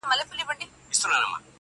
خداى دي ساته له بــېـلــتــــونـــــه.